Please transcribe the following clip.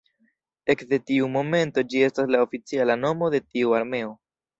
Ekde tiu momento ĝi estas la oficiala nomo de tiu armeo.